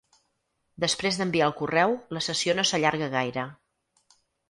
Després d'enviar el correu la sessió no s'allarga gaire.